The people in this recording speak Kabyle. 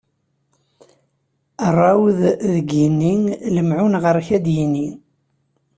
Ṛṛɛud deg yigenni, lemɛun ɣer-k ad yini!